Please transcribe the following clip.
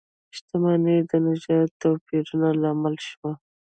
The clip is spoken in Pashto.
شتمنۍ د نژادي توپیرونو لامل شوه.